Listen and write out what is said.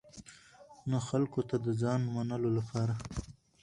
نه خلکو ته د ځان منلو لپاره.